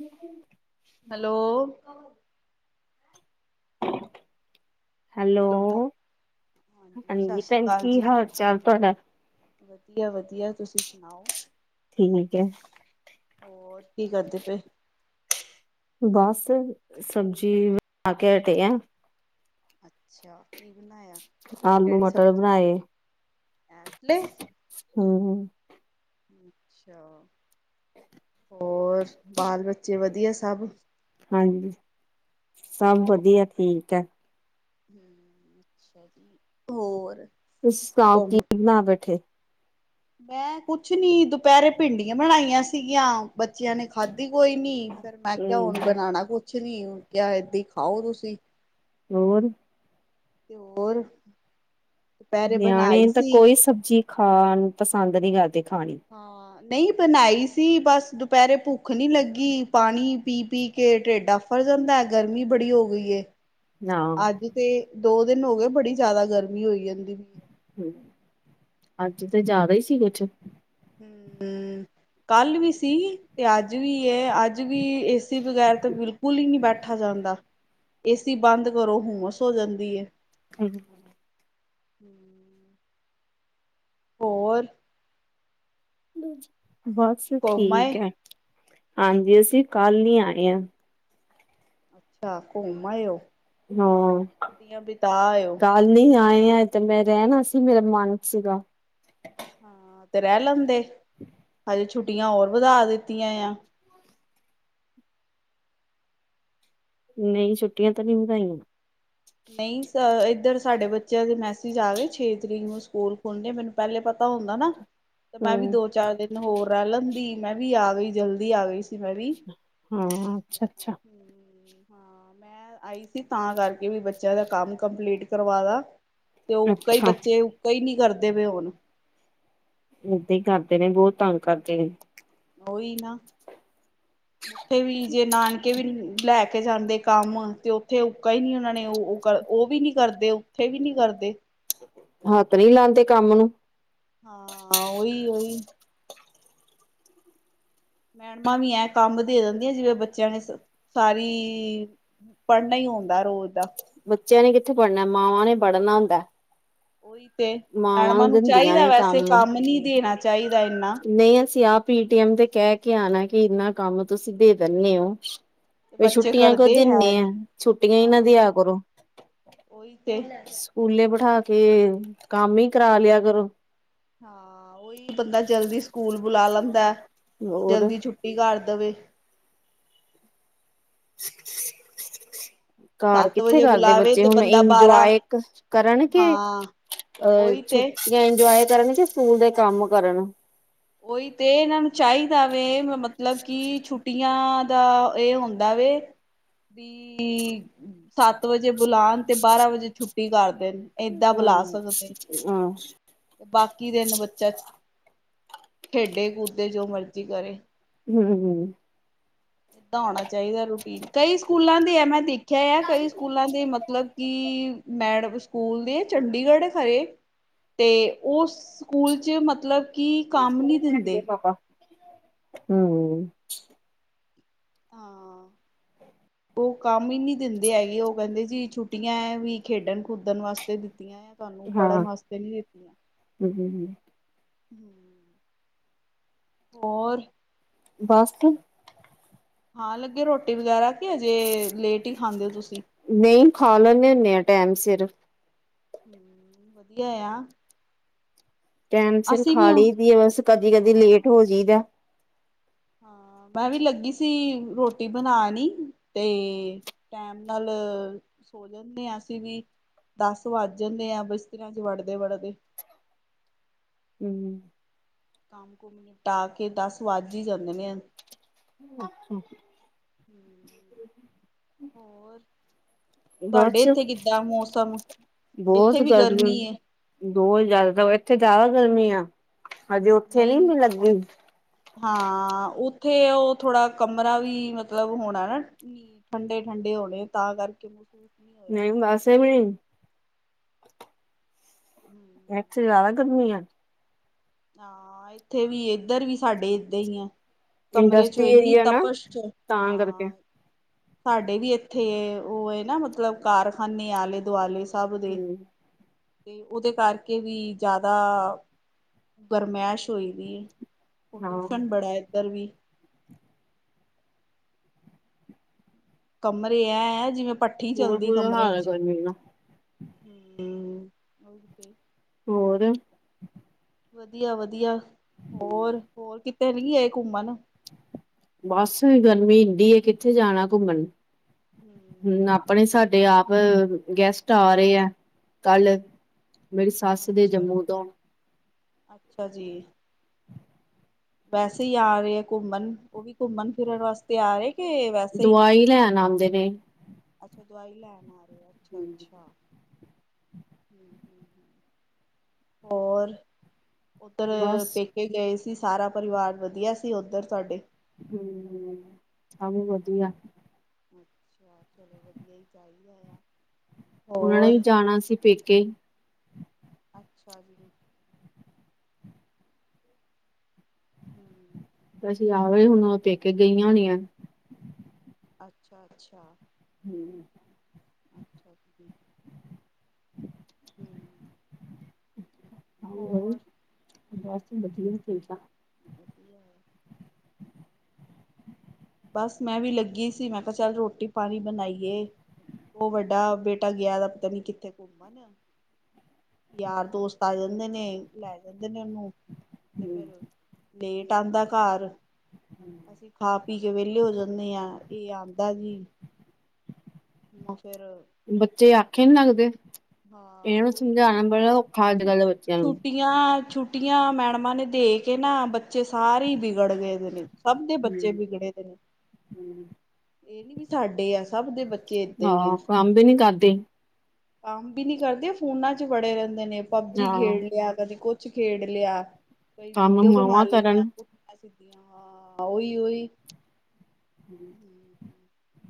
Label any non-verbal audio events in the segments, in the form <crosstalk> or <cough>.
ਹਮ hello hello ਸਤਿ ਹਾਂਜੀ ਸ਼੍ਰੀ ਭੈਣ ਅਕਾਲ ਕੀ ਜੀ ਹਾਲ ਚਾਲ ਤੁਹਾਡਾ ਵਧੀਆ ਵਧੀਆ ਤੁਸੀਂ ਸੁਣਾਓ ਠੀਕ ਹੋਰ ਕੀ ਕਰਦੇ ਪਏ ਬਸ ਸਬਜ਼ੀ ਆ ਕੇ ਹਟੇ ਆ ਅੱਛਾ ਕੀ ਬਣਾਇਆ ਆਲੂ ਕਿਹੜੀ ਮਟਰ ਸਬਜ਼ ਬਣਾਏ ਇਸ ਹਾਂ ਅੱਛਾ ਹੋਰ ਬਾਲ ਬੱਚੇ ਵਧੀਆ ਸਭ ਹਾਂਜੀ ਸਭ ਵਧੀਆ ਠੀਕ ਆ ਹੋਰ ਉਸ ਗਾ ਕੀ ਘੁੰਮ ਨਾ ਬੈਠੇ ਮੈਂ ਕੁਛ ਨੀ ਦੁਪਹਿਰੇ ਭਿੰਡੀਆਂ ਬਣਾਈਆਂ ਸੀਗੀਆਂ ਬੱਚਿਆਂ ਨੇ ਖਾਧ ਕੋਈ ਨੀ ਫੇਿਰ ਮੈਂ ਕਿਹਾ ਹਮ ਹੁਣ ਬਣਾਉਣਾ ਕੁਛ ਨੀ ਕ ਏਦ ਖਾਓ ਤੁਸੀਂ ਹੋਰ ਤੇ ਹੋਰ ਦੁਪਹਿਰੇ ਨਿਆਣੇ ਬਣਾਈ ਤਾਂ ਸੀ ਕੋਈ ਸਬਜ਼ੀ ਖਾਣ ਪਸੰਦ ਨਹੀਂ ਕਰਦੇ ਖਾਣੀ ਹਾਂ ਨਹੀਂ ਬਣਾਈ ਸੀ ਬਸ ਦੁਪਹਿਰੇ ਭੁੱਖ ਨਹੀਂੀ ਲੱਗੀ ਪਾਣੀ ਪੀ ਪੀ ਕੇ ਟੇਡਾ ਫੜ ਹੁੰਦਾ ਗਰਮੀ ਬੜੀ ਹੋ ਗਈ ਏ ਨਾ ਅੱਜ ਤੇ ਦੋ ਦਿਨ ਹੋ ਗਏ ਬੜੀ ਜ਼ਿਆਦਾ ਗਰਮੀ ਹੋਈ ਜਾਂਦੀ ਵੀ ਹਮ ਅੱਜ ਤੇ ਜ਼ਿਆਦਾ ਹੀ ਸੀ ਕੁਛ ਹਮ ਕੱਲ ਵੀ ਸੀ ਤੇ ਅੱਜ ਵੀ ਅੱਜ ਵੀ ਏਸੀ ਵਗੈਰ ਤਾਂ ਬਿਲਕੁਲ ਹੀ ਨਹੀਂੀ ਬੈਠੇ ਬੈਠਾ ਜਾਂਦਾ ਏਸੀ ਬੰਦ ਕਰੋ ਹੁਮਸ ਹੋ ਜਾਂਦੀ ਹੈ ਹਾਂ <unintelligible> ਹੋਰ ਬਸ ਘੁੰਮ ਆਏ ਠੀਕ ਆ ਹਾਂਜੀ ਅਸੀਂ ਕੱਲ੍ਹ ਨ ਆਏ ਹਾਂ ਅੱਛਾ ਘੁੰਮ ਆਏਓ ਹਾਂ ਓ ਕੱਲ ਨਹੀਂ ਆਏ ਤੇ ਮੈਂ ਰਹਿਣਾ ਸੀ ਮੇਰਾ ਮਨ ਸੀਗਾ ਹਾਂ ਤੇ ਰਹਿ ਲੈਂਦੇ ਹਜੇ ਛੁੱਟੀਆਂ ਹੋਰ ਵਧਾ ਦਿੱਤੀਆਂ ਆ <unintelligible> <inaudible> ਨਹੀਂ ਛੁੱਟੀਆਂ ਤਾਂ ਨਹੀਂ ਵਧਾਈਆਂ ਨਹੀਂ, ਇੱਧਰ ਸਾਡੇ ਬੱਚਿਆਂ ਦੇ ਮੈਸੇਜ ਆ ਗਏ, ਛੇ ਤਰੀਕ ਨੂੰ ਸਕੂਲ ਖੁੱਲਣ, ਮੈਨੂੰ ਪਹਿਲੇ ਪਤਾ ਹੁੰਦਾ ਨਾ ਤੇ ਮੈਂ ਵੀ ਹਮ ਦੋ ਚਾਰ ਦਿਨ ਹੋਰ ਰਹਿ ਲੈਂਦੀ, ਮੈਂ ਵੀ ਆ ਗਈ ਜਲਦੀ ਆ ਗਈ ਸੀ ਮੈਂ ਵੀ। ਹਾਂ, ਅੱਛਾ- ਅੱਛਾ। ਹਾਂ ਮੈਂ ਆਈ ਸੀ, ਤਾਂ ਕਰਕੇ ਵੀ ਬੱਚਿਆਂ ਦਾ ਕੰਮ ਕੰਪਲੀਟ ਕਰਵਾ ਦਾ। ਤੇ ਉੱਕਾ ਈ ਅੱਛਾ ਬੱਚੇ, ਉੱਕਾ ਈ ਨੀ ਕਰਦੇ ਪਏ ਹੁਣ ਏਦਾਂ ਹੀ ਕਰਦੇ ਨੇ ਬਹੁਤ ਤੰਗ ਕਰਦੇ ਨੇ ਉਹੀ ਨਾ ਉੱਥੇ, ਵੀ ਜੇ ਨਾਨਕੇ ਵੀ ਲੈ ਕੇ ਕੇ ਜਾਂਦੇ ਕੰਮ ਤੇ ਉੱਥੇ ਉੱਕਾ ਹੀ ਨੀ, ਉਹਨਾਂ ਨੇ ਉਹ- ਉਹ ਵੀ ਨੀ ਕਰਦੇ, ਉੱਥੇ ਵੀ ਨੀ ਕਰਦੇ। ਹੱਥ ਨਹੀਂ ਲਾਂਦੇ ਕੰਮ ਨੂੰ ਹਾਂ ਓਹੀ -ਓਹੀ। ਮੈਡਮਾਂ ਵੀ ਐ ਕੰਮ ਦੇ ਦਿੰਦੀਆਂ, ਜਿਵੇਂ ਬੱਚਿਆਂ ਨੇ ਸਾਰੀ ਪੜ੍ਹਨਾ ਹੀ ਹੁੰਦਾ ਰੋਜ਼ ਦਾ। ਬੱਚਿਆਂ ਨੇ ਕਿੱਥੇ ਪੜ੍ਹਨਾ, ਮਾਵਾਂ ਨੇ ਪੜ੍ਹਨਾ ਹਾਂ ਹੁੰਦਾ। ਉਹੀ ਤੇ ਮਾਵਾਂ ਮੈਡਮਾਂ ਨੂੰ ਦਿੰਦੀਆਂ ਚਾਹੀਦਾ, ਨੇ ਵੈਸੇ ਨੂੰ ਕੰਮ ਨਹੀਂ ਦੇਣਾ ਚਾਹੀਦਾ। ਇੰਨਾ ਨਹੀਂ, ਅਸੀਂ ਆਪ ਪੀ-ਟੀ-ਐਮ ਤੇ ਕਹਿ ਕੇ ਆਣਾ, ਕਿ ਇੰਨਾ ਕੰਮ ਤੁਸੀਂ ਦੇ ਦਿੰਦੇ ਹੋ। ਵੀ ਬੱਚੇ ਛੁੱਟੀਆਂ, ਕਿਉ ਕਰਦੇ ਹੈ ਦਿੰਨੇ ਨੀ ਆ ਛੁੱਟੀਆਂ ਹੀ ਨਾ ਹਾਂ ਦਿਆ ਕਰੋ। ਉਹੀ ਤੇ ਸਕੂਲੇ ਬਿਠਾ ਕੇ ਕੰਮ ਹੀ ਕਰਾ ਲਿਆ, ਕਰੋ। ਹਾਂ, ਉਹੀ ਬੰਦਾ ਜਲਦੀ ਸਕੂਲ ਬੁਲਾ ਲੈਂਦਾ ਹੋਰ ਜਲਦੀ ਛੁੱਟੀ ਕਰ ਦੇਵੇ । <unintelligible> ਘਰ ਸੱਤ ਕਿੱਥੇ ਵਜੇ ਕਰਦੇ ਬੁਲਾਵੇ ਬੱਚੇ, ਤੇ ਹੁਣ ਬੰਦਾ ਬਾਰਾਂ ਇੰਜੋਏ ਕਰਨ ਕੇ, ਹਾਂ ਅਹ ਉਹੀ ਤੇ ਛੁੱਟੀਆਂ ਇੰਜੋਏ ਕਰਨ ਜਾਂ ਸਕੂਲ ਦੇ ਕੰਮ ਕਰਨ। ਉਹੀ ਤੇ, ਇਹਨਾਂ ਨੂੰ ਚਾਹੀਦਾ ਵੇ ਮਤਲਬ ਕਿ ਛੁੱਟੀਆਂ ਦਾ ਇਹ ਹੁੰਦਾ ਵੇ ਵੀ ਸੱਤ ਵਜੇ ਬੁਲਾਨ ਤੇ, ਬਾਰਾਂ ਵਜੇ ਛੁੱਟੀ ਕਰ ਦੇਣ। ਏਦਾਂ ਹਾਂ ਬੁਲਾ ਸਕਦੇ, ਹਾਂ ਬਾਕੀ ਦਿਨ ਬੱਚਾ ਖੇਡੇ, ਕੂਦੇ ਜੋ ਮਰਜ਼ੀ ਕਰੇ। ਹਮ -ਹਮ। ਏਦਾਂ ਹੋਣਾ ਚਾਹੀਦਾ ਰੂਟੀਨ, ਕਈ ਸਕੂਲਾਂ ਦੇ ਆ ਮੈਂ ਦੇਖਿ ਆ ਕਈ ਸਕੂਲਾਂ ਦੇ ਮਤਲਬ ਕਿ ਮੈਡਮ ਸਕੂਲ ਦੇ ਚੰਡੀਗੜ੍ਹ ਤੇ ਉਹ ਸਕੂਲ ਚ, ਮਤਲਬ ਕਿ ਕੰਮ ਨੀ ਦਿੰਦੇ। ਪਾਪਾ ਹਮ। ਹਾਂ। ਉਹ ਕੰਮ ਹੀ ਨਹੀਂ ਦਿੰਦੇ ਹੈਗੇ, ਉਹ ਕਹਿੰਦੇ ਜੀ ਛੁੱਟੀਆਂ ਹੈ ਵੀ ਖੇਡਣ ਖੁਦਣ ਵਾਸਤੇ ਦਿੱਤੀਆਂ ਆ ਤੁਹਾਨੂੰ ਹਾਂ ਪੜ੍ਹਨ ਵਾਸਤੇ ਨੀ ਦਿੱਤੀਆਂ। ਹਮ ਹੋਰ? ਬਸ। ਖਾਣ ਲੱਗੇ, ਰੋਟੀ ਵਗੈਰਾ ਕਿ ਅਜੇ ਲੇਟ ਹੀ ਖਾਂਦੇ ਹੋ ਤੁਸੀਂ ਨਹੀਂ, ਖਾ ਲੈਂਦੇ ਹੁੰਦੇ ਆ। ਟਾਈਮ ਸਿਰ। ਹਮ, ਵਧੀਆ ਆ। ਟਾਈਮ ਸਿਰ ਅਸੀਂ ਵੀ ਖਾ ਹਾਂ ਲਈ ਦੀ ਹੈ ।ਬਸ, ਕਦੀ -ਕਦੀ ਲੇਟ ਹੋ ਜਈਦਾ। ਹਾਂ। ਮੈਂ ਵੀ ਲੱਗੀ ਸੀ ਰੋਟੀ ਬਣਾਉਣ ਈ ਤੇ ਟੈਮ ਨਾਲ ਸੋੰ ਜਾਂਦੇ ਹਾਂ, ਅਸੀਂ ਵੀ ।ਦੱਸ ਵੱਜ ਜਾਂਦੇ ਹੈ, ਬਿਸਤਰਿਆਂ ਚ ਵੜਦੇ- ਵੜਦੇ। ।।। <unintelligible> ਹਮ। ਕੰਮ- ਕੁਮ, ਨਿਪਟਾ ਕੇ ਦਸ ਵੱਜ ਹੀ ਜਾਂਦੇ ਆ। ਅੱਛਾ ਹਮ ।ਹੋਰ। ਤੁਹਾਡੇ ਬਸ ਇੱਥੇ, ਕਿੱਦਾਂ ਮੌਸਮ? ਇੱਥੇ ਬਹੁਤ ਵੀ ਗਰਮੀ ਹੈ ।ਬਹੁਤ ਜ਼ਿਆਦਾ। ਤਾਂ ਇੱਥੇ ਜ਼ਿਆਦਾ ਗਰਮੀੀਆਂ ।ਹਜੇ ਉੱਥੇ ਨੀ ਨਹੀਂ ਲੱਗੀ? ਹਾਂ ਉੱਥੇ ਉਹ ਥੋੜਾ ਕਮਰਾ ਵੀ। ਮਤਲਬ ਹੋਣਾ ਨਾ, ਠੰਡੇ ਠੰਡੇ <unintelligible> ਨਹੀਂ ਬਸੇ । ਐਵੇਂ ਹੀ ਐਥੇ ਹਮ ਜ਼ਿਆਦਾ ਗਰਮੀ ਆ। ਹਾਂ ਇੱਥੇ ਵੀ। ਏਧਰ ਵੀ, ਸਾਡੇ ਏਦਾਂ ਹੀ ਆ। ਕਮਰੇ ਚੋਂ ਇੰਡਸਟਰੀ ਇੰਨੀ ਏਰੀਆ ਨਾ ਤਪਸ਼ ਹ। ਤਾਂ ਕਰਕੇ ਸਾਡੇ ਵੀ ਇੱਥੇ। ਉਹ ਹੈ ਨਾ, ਮਤਲਬ ਕਾਰਖਾਨੇ ਆਲੇ ਦੁਆਲੇ। <unintelligible> ਹਮ ਤੇ ਉਹਦੇ ਕਰਕੇ ਵੀ ਜ਼ਿਆਦਾ ਗਰਮੈਸ਼ ਹੋਈ ਵੀ। ਹਾਂ ਪ੍ਰਦੂਸ਼ਣ ਬੜਾ ਇੱਧਰ ਵੀ। ਕਮਰੇ ਐ ।। ਜਿਵੇਂ ਪੱਠੀ ਬਹੁਤ ਚਲਦੀ ਬੁਰਾ ਹਾਲ ਕਮਰਿਆਂ ਹੈ ਚ ਗਰਮੀ ਦਾ ।ਹ <inaudible> ਹੋਰ? ਵਧੀਆ ਵਧੀਆ ਹੋਰ, ਹੋਰ ਕਿਤੇ ਨੀ ਗਏ ਘੁੰਮਣ? ਬਸ ਗਰਮੀ ਹੁੰਦੀ। ਕਿੱਥੇ ਜਾਣਾ ਘੁੰਮਣ ਹਮ ਆਪਣੇ ਸਾਡੇ ਸਾਡੇ ਆਪ ਗੈਸਟ ਆ ਰਹੇ ਆ ਕੱਲ। ਮੇਰੀ ਸੱਸ ਦੇ। ਅੱਛਾ ਜੰਮੂ ਤੋਂ। ਅੱਛਾ ਜੀ। ਵੈਸੇ ਹੀ ਆ ਰਹੇ ਆ ਘੁੰਮਣ। ਉਹ ਵੀ ਘੁੰਮਣ ਫਿਰਨ ਵਾਸਤੇ ਆ ਰਹੇ। ਕਿ ਵੈਸੇ ਹੀ ਦਵਾਈ ਲੈਣ ਆਉਂਦੇ ਨੇ। ਅੱਛਾ ਦਵਾਈ ਲੈਣ ਆ ਰਹੇ ।ਅੱਛਾ ਅੱਛਾ ਹਮ ਹ ਹ ਹੋਰ ਉੱਧਰ ਬਸ ਪੇਕੇ ਗਏ ਸੀ? ਸੀ ਸਾਰਾ ਪਰਿਵਾਰ ਵਧੀਆ ਸੀ ਉੱਧਰ ਤੁਹਾਡੇ? ਹਮ ਸਭ ਵਧੀਆ। ਅੱਛਾ ਚਲੋ ਵਧੀਆ ਹੀ ਚਾਹੀਦਾ ਆ। ਉਹਨਾਂ ਨੇ ਹੋਰ ਵੀ ਜਾਣਾ ਸੀ ਪੇਕੇ। ਅੱਛਾ ਜੀ ਹੂੰ, ਅਸੀਂ ਆ ਗਿਆ । ਹੁਣ ਉਹ ਪੇਕੇ ਗਈਆਂ ਹੋਣੀਆਂ। ਅੱਛਾ ਅੱਛਾ ਹਮ ਅੱਛਾ ਜੀ। ਹਮ <unintelligible> ਬੱਸ ਵਧੀਆ ਚਲਦਾ । ਵਧੀਆ ਬਸ ਮੈਂ ਵੀ ਲੱਗੀ ਸੀ ਮੈਂ ਕਿਹਾ ਚੱਲ ਰੋਟੀ ਪਾਣੀ ਬਣਾਈਏ ਉਹ ਵੱਡਾ ਬੇਟਾ ਗਿਆ ਦਾ ਪਤਾ ਨੀ ਕਿੱਥੇ ਘੁੰਮਨ ਯਾਰ ਦੋਸਤ ਆ ਜਾਂਦੇ ਨੇ ਲੈ ਜਾਂਦੇ ਨੇ ਉਹਨੂੰ ਤੇ ਫੇਰ ਲੇਟ ਆਉਂਦਾ ਘਰ ਅਸੀਂ ਖਾ ਪੀ ਕੇ ਵਿਹਲੇ ਹੋ ਜਾਂਦੇ ਆ ਇਹ ਆਉਂਦਾ ਜੀ ਹਮ ਬੱਚੇ ਆਖੇ ਨੀ ਲੱਗਦੇ ਹਾਂ ਇਹਨਾਂ ਨੂੰ ਉਹੀ ਨਾ ਸਮਝਾਉਣਾ ਬੜਾ ਔਖਾ ਅੱਜ ਛੁ ਕੱਲ੍ਹ ਦੇ ਬੱਚਿਆਂ ਨੂੰ ਛੁੱਟੀਆਂ ਛੁੱਟੀਆਂ ਮੈਡਮਾਂ ਨੇ ਦੇ ਕੇ ਨਾ ਬੱਚੇ ਸਾਰੇ ਹੀ ਵਿਗੜ ਗਏ ਨੇ ਸਬ ਦੇ ਬੱਚੇ ਹਮ ਵਿਗੜੇ ਦੇ ਨੇ। ਇਹ ਨੀ ਵੀ ਸਾਡੇ ਆ, ਸਭ ਦੇ ਬੱ ਆਹ, ਕੰਮ ਵੀ ਨਹੀਂ ਕਰਦੇ। ਕੰਮ ਵੀ ਨੀ ਕਰਦੇ, ਫੋਨਾਂ ਚ ਵੜੇ ਰਹਿੰਦੇ ਨੇ, ਪਬਜੀ ਹਾਂ ਖੇਡ ਲਿਆ ਕਦੇ, ਕੁਛ ਖੇਡ ਲਿਆ। ਕਈ ਕੰਮ ਵੀਡੀਓ ਬਣਾ ਮਾਵਾਂ ਕਰਨ ਲਈਆਂ ਪੁੱਠੀਆਂ ਸਿਧੀਆਂ, ਹਾਂ ਉਹੀ-ਉਹੀ। ਹੂੰ। <inaudible>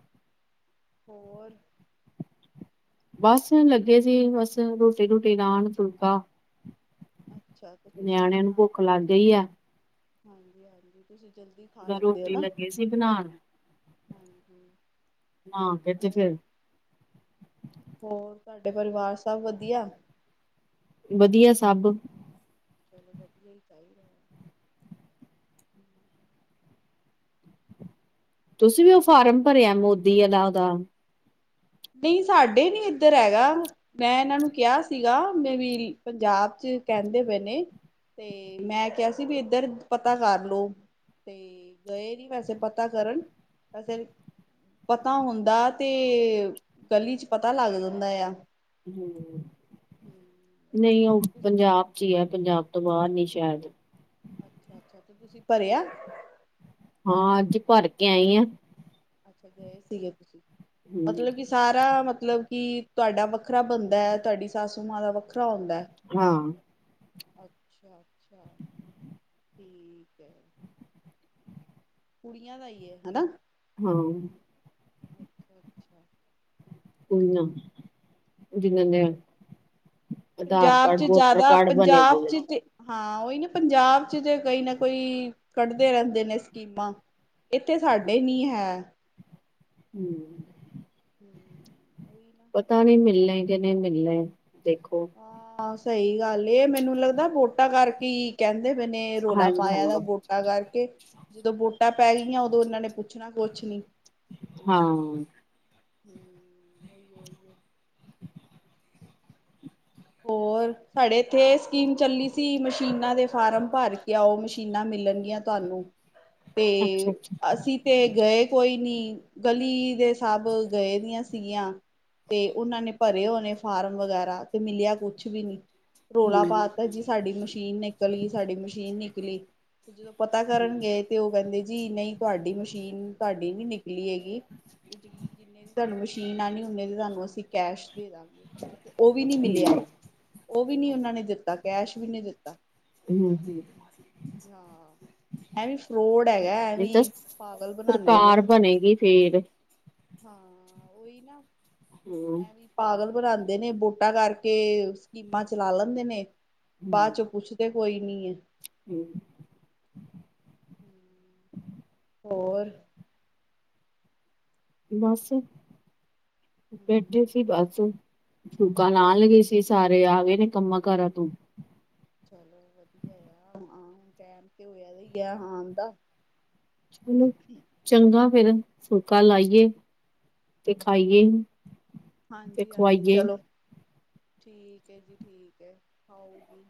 ਹੋਰ? ਬਸ ਲੱਗੇ ਸੀ, ਬਸ ਰੋਟੀ ਰੂਟੀ ਨਾਨ ਫੁਲਕਾ। ਅੱਛਾ ਤੇ ਤੁਸੀਂ ਨਿਆਣਿਆਂ ਨੂੰ ਭੁੱਖ ਲੱਗ ਗਈ ਐ। ਹਾਂਜੀ-ਹਾਂਜੀ। ਰੋਟੀ ਲੱਗੇ ਸੀ ਬਣਾਣ। ਹੂੰ-ਹੂੰ। ਹਾਂ ਫੇਰ ਤੇ ਫਿਰ ਹੋਰ ਤੁਹਾਡੇ ਪਰਿਵਾਰ ਸਵ ਵਧੀਆ? ਵਧੀਆ ਏ ਸਬ? ਚਲੋ ਵਧੀਆ ਈ ਚਾਹੀਦਾ। ਤੁਸੀਂ ਵੀ ਉਹ ਫਾਰਮ ਭਰਿਆ ਮੋਦੀ ਇਹਦਾ ਉਹਦਾ? ਨਈ ਸਾਡੇ ਨੀ ਇੱਧਰ ਹੈਗਾ, ਮੈਂ ਏਹਨਾਂ ਨੂੰ ਕਿਹਾ ਸੀਗਾ, ਮੈਂ <unintelligible> ਪੰਜਾਬ ਚ ਕੇਹਂਦੇ ਬਏ ਨੇ, ਤੇ ਮੈਂ ਕਿਹਾ ਸੀ ਵੀ ਇੱਧਰ, ਪਤਾ ਕਰਲੋ। ਤੇ ਗਏ ਨੀ ਵੈਸੇ ਪਤਾ ਕਰਨ, ਵੈਸੇ ਪਤਾ ਹੁੰਦਾ, ਤੇ ਗਲੀ ਚ ਪਤਾ ਲੱਗ ਜਾਂਦਾ ਏਆ। ਹੂੰ, ਨਈ ਉਹ ਤੁਸੀਂ ਪੰਜਾਬ ਚ ਈ ਐ। ਪੰਜਾਬ ਤੋਂ ਬਾਹਰ ਨੀ ਸ਼ਾਇਦ ਅੱਛਾ ਅੱਛਾ ਤੇ ਤੁਸੀਂ ਭਰਿਆ ਹਾਂ ਅੱਜ ਭਰ ਕੇ ਆਈ ਆ। ਅੱਛਾ ਗਏ ਸੀਗੇ ਤੁਸੀਂ? ਮਤਲਬ ਕਿ ਸਾਰਾ ਮਤਲਬ ਕਿ ਤੁਹਾਡਾ ਵੱਖਰਾ ਬੰਨਦਾ ਏ, ਤੁਹਾਡੀ ਸਾਸੂ ਮਾਂ ਦਾ ਵੱਖਰਾ ਹੁੰਦਾ ਏ। ਹਾਂ ਅੱਛਾ-ਅੱਛਾ। ਠੀਕ ਏ। ਕੁੜੀਆਂ ਦਾ ਈ ਐ, ਹਨਾ? ਹਾਂ। ਅੱਛਾ-ਅੱਛਾ। ਕੋਈ ਨਾ, ਜਿਨਣੇ ਵਧੀਆ ਪੰਜਾਬ ਚ ਜ਼ਿਆਦਾ ਦੇ ਪੰਜਾਬ ਨੇ ਚ ਤੇ ਹਾਂ ਉਹੀ ਨਾ, ਪੰਜਾਬ ਚ ਜੇ ਕਈ ਨਾ ਕੋਈ ਕੱਢਦੇ ਰਹਿੰਦੇ ਨੇ ਸਕੀਮਾਂ। ਏਥੇ ਸਾਡੇ ਨੀ ਹੈ। ਹੂੰ। ਉਹੀ ਨਾ ਪਤਾ ਨਈ ਮਿਲਣਾ ਐ, ਕਿ ਨਈ ਮਿਲਣੇ? ਦੇਖੋ। ਸਹਈ ਗੱਲ ਐ, ਏਹ ਮੈਨੂੰ ਲੱਗਦਾ ਵੋਟਾਂ ਕਰਕੇ ਈ ਕਹਿੰ ਕਹਿੰਦੇ ਪੇ ਨੇ, ਰੌਲਾ ਹਾਂਜੀ ਪਾਇਆ ਦਾ ਹਾਂਜੀ ਬੋਟਾ ਕਰਕੇ, ਜਦੋਂ ਬੋਟ ਟਾਂ ਪੈ ਗਈਆਂ, ਉਦੋਂ ਇਹਨਾਂ ਨੇ ਪੁੱਛਣਾ ਕੋਛ ਨੀ। ਹਾਂ। ਹੂੰ। ਹੋਰ? ਹੋਰ ਸਾਡੇ ਏਥੇ ਸਕੀਮ ਚੱਲੀ ਸੀ, ਮਸ਼ੀਨਾਂ ਦੇ ਫਾਰਮ ਭਰ ਕੇ ਆਉ, ਮਸ਼ੀਨਾਂ ਮਿਲਣਗੀਆਂ ਤੁ ਹਲੋ, ਤੇ ਅੱਛਾ ਅੱਛਾ ਅਸੀਂ ਤੇ ਗਏ ਕੋਈ ਨੀ। ਗਲੀ ਦੇ ਸਾਬ ਗਏ ਦੀਆਂ ਸੀਗੀਆਂ। ਤੇ ਉਹਨਾਂ ਨੇ ਭਰੇ ਹੋਣੇ ਫਾਰਮ ਵਗੈਰਾ। ਤੇ ਮਿਲਿਆ ਕੁਛ ਵੀ ਨੀ, ਰੌਲਾ ਹਮ ਪਾਤਾ ਜੀ ਸਾਡੀ ਮਸ਼ੀਨ ਨਿਕਲ ਗਈ, ਸਾਡੀ ਮਸ਼ੀਨ ਨਿਕ ਲਗੀ, ਤੇ ਜਦੋਂ ਪਤਾ ਕਰਨ ਗਏ ਤੇ ਔਹ ਕਹਿੰਦੇ ਜੀ ਨਈ ਤੁਹਾਡੀ ਮਸ਼ੀ ਤੀਨ, ਤੁਹਾਡੀ ਨੀ ਨਿਕਲੀ ਹੈਗੀ। ਜਿੰਨੇ-ਜਿੰਨੇ ਤੁਹਾਨੂੰ ਮਸ਼ੀਨ ਆਉਣੀ ਹੁੰਦੀ ਤੇ ਤੁਹਾਨੂੰ ਅਸੀਂ ਕੈਸ਼ ਦੇ ਦਵਾਂਗੇ ਉਹ ਵੀ ਨੀ ਮਿਲਿਆ। ਹਮ ਉਹ ਵੀ ਨੀ ਉਹਨਾਂ ਨੇ ਦਿੱਤਾ ਕੈਸ਼ ਵੀ ਨਹੀਂ ਦਿੱਤਾ। ਹੂੰ। ਐ ਵੀ ਫਰੋੜ ਹੈਗਾ ਐ ਵੀ ਪਾਗਲ ਬਣਾਉਦੇ ਨੇ। ਸਰਕਾਰ ਬਣੇਗੀ ਫੇਰ ਹਾਂ, ਉਹੀ ਨਾ ਹਮ ਐਵੇਂ ਪਾਗਲ ਬਣਾਉਂਦੇ ਨੇ ਬਟ ਵਢਾ ਕਰਕੇ ਸਕੀਮਾਂ ਚਲਾ ਲੈਂਦੇ ਨੇ ਬਾਦ ਚ ਪੁੱਛਦੇ ਕੋਈ ਨੀ ਹੈ। ਹੂੰ। <inaudible> ਹੋਰ ਬੱਸ ਬੈਠੇ ਸੀ ਬਸ। ਫੂਲਕਾ ਲਾਨ ਲਗੇ ਸੀ ਸਾਰੇ ਆ ਗਏ ਨੇ ਕੰਮਾਂ- ਕਾਰਾਂ ਤੋਂ। ਚਲੋ ਵਧੀਆ ਆ ਟਾਈਮ ਤੇ ਹੋਇਆ ਹੀ ਆ ਆਉਣ ਦਾ। ਚਲੋ ਚੰਗਾ ਫੇਿਰ ਫੁਲਕਾ ਲਾਈਏ ਤੇ ਖਾਈਏ। ਤੇ ਹਾਂਜੀ- ਹਾਂਜੀ, ਖਵਾਈਏ ਚਲੋ। ਠੀਕ ਹੈ, ਜੀ ਠੀਕ ਹੈ, ਆਓ ਜੀ।